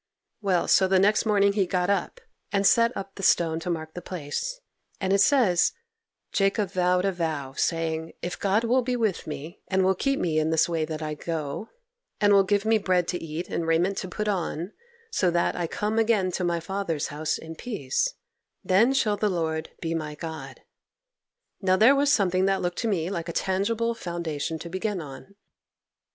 'Well, so the next morning he got up, and set up the stone to mark the place; and it says "Jacob vowed a vow, saying, If God will be with me, and will keep me in this way that I go, and will give me bread to eat and raiment to put on, so that I come again to my father's house in peace, then shall the Lord be my God." Now there was something that looked to me like a tangible foundation to begin on.